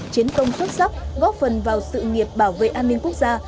chiến công xuất sắc góp phần vào sự nghiệp bảo vệ an ninh quốc gia